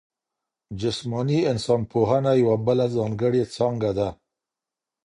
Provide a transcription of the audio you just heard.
جسماني انسان پوهنه یوه بله ځانګړې څانګه ده.